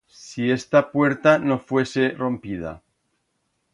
Si esta puerta no fuese rompida.